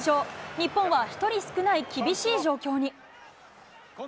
日本は１人少ない厳しい状況に。